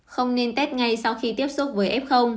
không nên tết ngay sau khi tiếp xúc với f